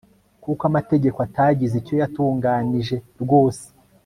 kuko amategeko atagize icyo yatunganije rwose